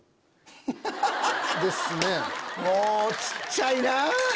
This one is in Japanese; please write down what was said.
もう小っちゃいなぁ！